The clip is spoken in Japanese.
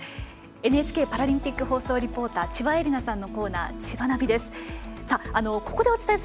ＮＨＫパラリンピック放送リポーター千葉絵里菜さんの「ちばナビ」です。